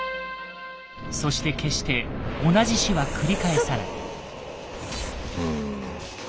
そして決して同じ死は繰り返さない。